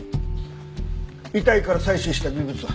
遺体から採取した微物は？